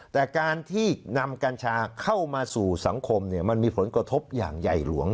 แต่การที่นำกัญชาเข้ามาสู่สังคมมันมีผลกระทบอย่างใหญ่หลวง